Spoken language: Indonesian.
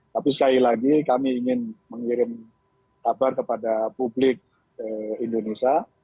tapi sekali lagi kami ingin mengirim kabar kepada publik indonesia